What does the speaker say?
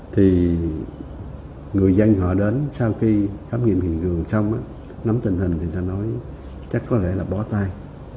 thì người dân họ đến sau khi khám nghiệm hiện trường xong nắm tình hình thì người ta nói chắc có thể là bó tay